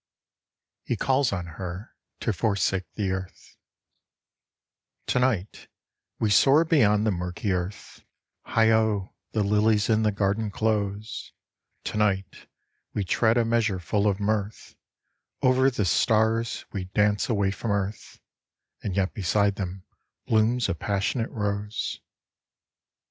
He calls on Her to forsake the Earth TO NIGHT, we soar boyond the murky earth (Heigho, the lilies in the garden close) ; To night, we tread a measure full of mirth ; Over the stars, we dance away from earth (And yet beside them blooms a passionate rose).